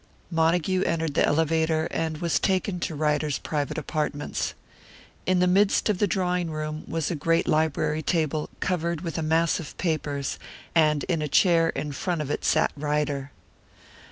Montague entered the elevator, and was taken to Ryder's private apartments. In the midst of the drawing room was a great library table, covered with a mass of papers; and in a chair in front of it sat Ryder.